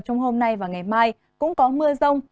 trong hôm nay và ngày mai cũng có mưa rông